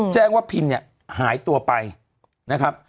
แจ้งว่าพินเนี่ยหายตัวไปนะครับ